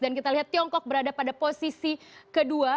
dan kita lihat tiongkok berada pada posisi kedua